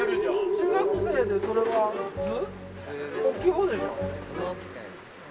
中学生でそれは普通？